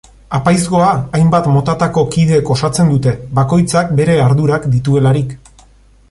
Apaizgoa hainbat motatako kideek osatzen dute, bakoitzak bere ardurak dituelarik.